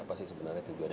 apa sih sebenarnya tujuannya